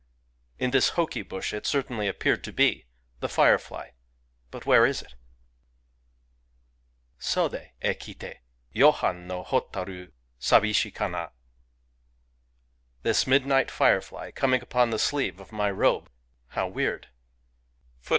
In this hoki bush it certainly appeared to be, — the fire fly ![ but where is it ?] Sodc e kite, Y5han no hotaru Sabishi kana! This midnight firefly coming upon the sleeve of my robe — how weird ^ I .